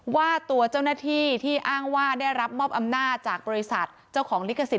ว่าตัวเจ้าหน้าที่ที่อ้างว่าได้รับมอบอำนาจจากบริษัทเจ้าของลิขสิท